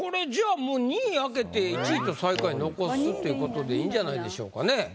じゃあもう２位開けて１位と最下位残すっていうことでいいんじゃないでしょうかね。